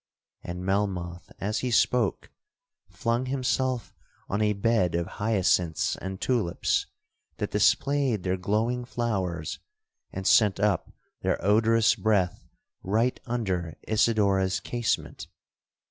And Melmoth, as he spoke, flung himself on a bed of hyacinths and tulips that displayed their glowing flowers, and sent up their odorous breath right under Isidora's casement.